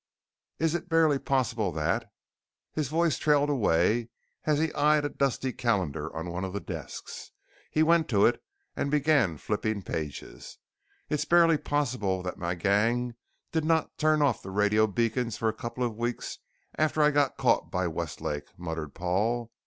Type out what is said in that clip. "It is barely possible that " his voice trailed away as he eyed a dusty calendar on one of the desks. He went to it and began flipping pages. "It's barely possible that my gang did not turn off the radio beacons for a couple of weeks after I got caught by Westlake," muttered Paul.